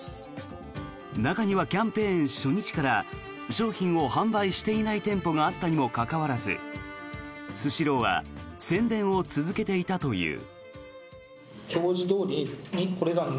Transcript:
中にはキャンペーン初日から商品を販売していない店舗があったにもかかわらずスシローは宣伝を続けていたという。